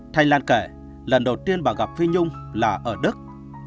thái lan kể lần đầu tiên bà gặp phi nhung là ở đức